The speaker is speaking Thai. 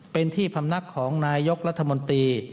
เป็นที่พำนักของนายกรัฐมนตรี